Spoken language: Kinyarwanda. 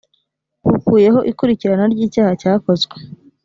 bukuyeho ikurikirana ry icyaha cyakozwe